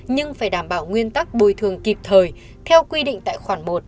nhưng phải đảm bảo nguyên tắc bồi thường kịp thời theo quy định tại khoản một